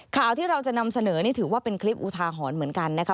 ข่าวที่เราจะนำเสนอนี่ถือว่าเป็นคลิปอุทาหรณ์เหมือนกันนะคะ